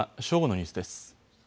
正午のニュースです。